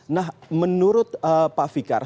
nah menurut pak fikar